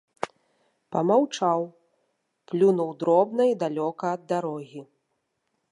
Памаўчаў, плюнуў дробна і далёка ад дарогі.